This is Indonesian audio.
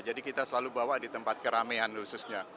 jadi kita selalu bawa di tempat keramaian khususnya